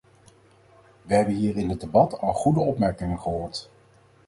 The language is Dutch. We hebben hier in het debat al goede opmerkingen gehoord.